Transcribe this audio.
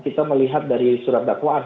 kita melihat dari surat dakwaan